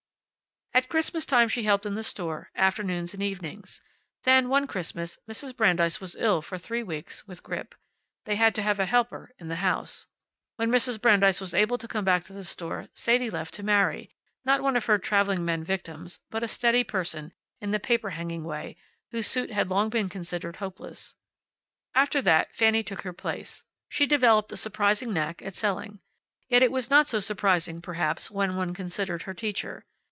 At Christmas time she helped in the store, afternoons and evenings. Then, one Christmas, Mrs. Brandeis was ill for three weeks with grippe. They had to have a helper in the house. When Mrs. Brandeis was able to come back to the store Sadie left to marry, not one of her traveling men victims, but a steady person, in the paper hanging way, whose suit had long been considered hopeless. After that Fanny took her place. She developed a surprising knack at selling. Yet it was not so surprising, perhaps, when one considered her teacher.